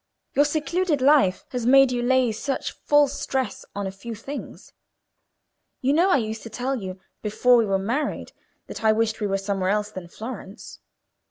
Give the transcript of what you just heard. Your secluded life has made you lay such false stress on a few things. You know I used to tell you, before we were married, that I wished we were somewhere else than in Florence.